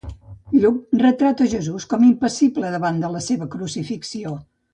Lluc retrata Jesús com impassible davant de la seva crucifixió.